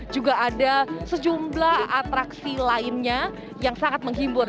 juga ada sejumlah atraksi lainnya yang sangat menghibur